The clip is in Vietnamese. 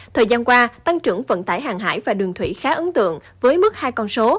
thời gian qua tăng trưởng vận tải hàng hải và đường thủy khá ấn tượng với mức hai con số